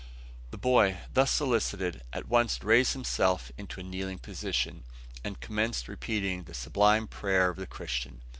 The boy, thus solicited, at once raised himself into a kneeling position, and commenced repeating the sublime prayer of the Christian.